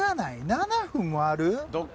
７分もある？